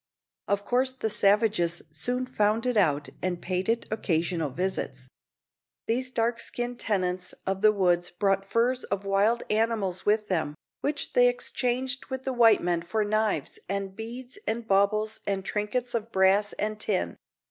Of course the savages soon found it out and paid it occasional visits. These dark skinned tenants of the woods brought furs of wild animals with them, which they exchanged with the white men for knives, and beads, and baubles and trinkets of brass and tin.